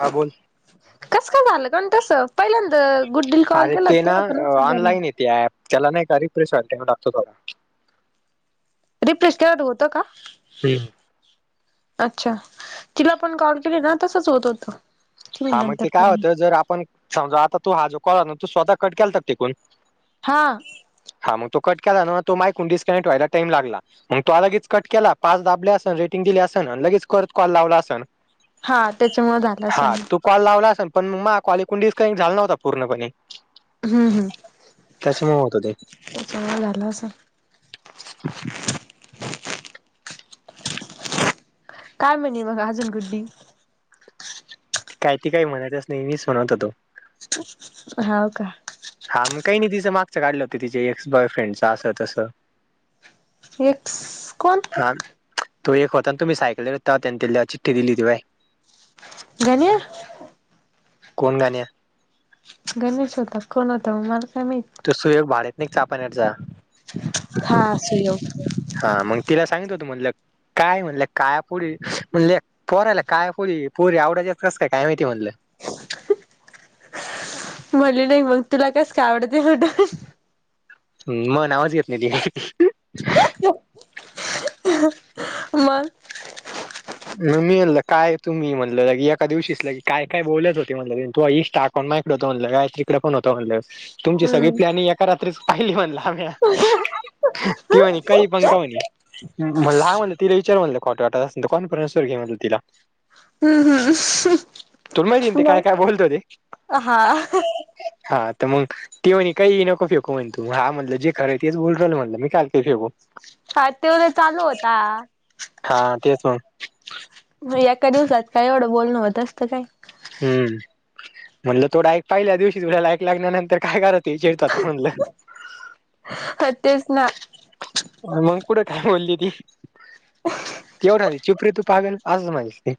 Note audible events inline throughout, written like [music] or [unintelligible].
हा बोल. कसं का झालं कण तसं पहिल्यांदा गुड्डीला कॉल अरे केला ते ना तेव्हा पण असंच झालं. आँनलाईन येते ऍप त्याला नाही का रिप्रेस [unintelligible] टाकतो थोडा. रिफ्रेश केल्यावर होतं का? हम्म अच्छा तिला पण कॉल केले ना तसंच होत होतं. हा ठेवून मग नंतर ते काय करेन होतं जर आपण समजा आता तू हा जो कॉल हाय ना तू स्वतः कट केलता तिकून हा. हा मग तू कट केला ना तो मायाकून डिस्कनेक्ट व्हायला टाइम लागला मग तो आ लगेच कट केला पाच दाबले असन, रेटिंग दिले असन, लगेच कॉल करत लावला असन. हा त्याच्यामुळे झालं असन. हा तू कॉल लावला असन पण मा कॉल इकडून डिस्कनेक्ट झाला नव्हता पूर्णपणे. हम्म हम्म त्याच्यामुळे होत ते त्यांच्यामुळं झालं असन. काय म्हणी मग अजून गुडडी? काय ती काय म्हणतच नाही मीच म्हणत होतो. हाव का. हा मग काही नाही तिचं मागचं काढलं होतं तिचे एक्स बॉयफ्रेंडचं असं तसं. एक्स कोण? धान तो एक होता तुम्ही सायकल वर होता तेव्हा त्यान तिला चिठ्ठी दिली होती व्हय. गण्या कोण गण्या? गणेश होता का कोण होता, मला काय माहीत. तो सुयोग भाड्यात नी का कापनेडचा. हा सुयोग. हा मंग तिला सांगितलं होतं म्हणलं, काय म्हणलं, काय पुढे म्हणले पोराला काळ्या पोरी पोरी आवडजेतस कसं काय का काय माहिती म्हणलं. म्हणली नाही मग तुला कसं काय आवडते म्हणून. मा नावच घेत नाही ती. मग म मी म्हणलं काय तुम्ही म्हटलं की लगे एका दिवशीच ला की काय काय बोलत होते म्हटलं रे तू अ इन्स्टा कोण माया इकडे होतं म्हणलं काय तिकडे पण होतं म्हणलंस तुमची सगळी हम्म प्लॅनिंग एका रात्रीच पाहिली म्हणला आम्ही या ती म्हणे काही पण का म्हणे म्हणलं हा म्हणलं तिला विचार म्हणलं. खोटं वाटत असन तर कॉन्फरेन्स वर घे म्हणलं तिला. हम्म हम्म. तुला माहितीये ना ते काय मग काय बोलत होते हा हा. तर मग ती म्हणे काहीही नको फेकू म्हणे तू हा म्हटलं जे खरं आहे तेच बोलू राहिलो म्हटलं मी कायले फेकू. हा तेवढे चालू होता हा तेच मग एका दिवसात काय एवढं बोलणं होत असतं काय? हम्म म्हणलं थोड ऐक पहिल्या दिवशीच [unintelligible] लग्नानंतर काय करती चिडतात म्हणलं. हं तेच ना मंग पुढ काय बोली ती? ती म्हणाली चूप रे तू पागल असं म्हणली ती.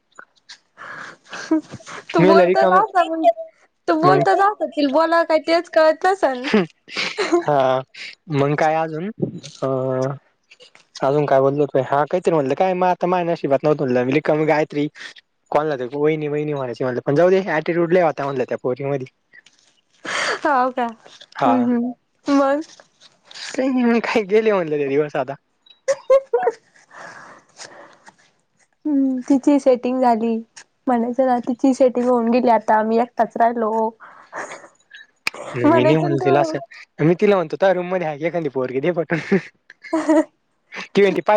तू मी म्हणलं बोलतोचं रिकामं आस मंग, तू मग बोलतच आस तील बोला काय तेच कळ हा,, मंग काय आजून, अ आजून काय बोलोच नाही हा काहीतरी म्हटलं काय म आता माया नशिबात नव्हतं म्हनल मी रिकामी गायत्री कोणला देखू वहिनी वहिनी म्हणायची, म्हनलं पण जाऊदे, अटीट्यूड लई होता म्हणल त्या पोरीमधी. हाव का,, हू हू, मगं? काय नाही म काय गेले म्हणले ते दिवस आता. हू तिची सेटिंग झाली. म्हणायचं ना तिची शेटींग होवून गेली आता, मी एकटाच राहीलो. मी नाही म्हणल़ तिला आसं,, मी तिला म्हणतो तुया रूममध्ये आहे एखादी पोरगी दे पटून. [unintelligible] ती म्हणती पाय